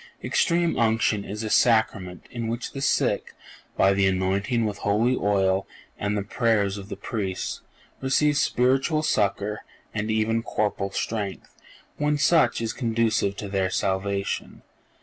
Extreme Unction is a Sacrament in which the sick, by the anointing with holy oil and the prayers of the Priests, receive spiritual succor and even corporal strength when such is conducive to their salvation.